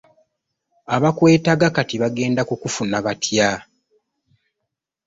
Abakwetaaga kati bagenda kukufuna batya?